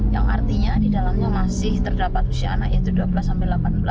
yang artinya di dalamnya masih terdapat usia anak yaitu dua belas sampai delapan belas tahun